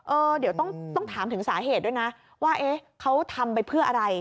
เออเดี๋ยวต้องถามถึงสาเหตุด้วยนะว่าเอ๊ะเขาทำไปเพื่ออะไร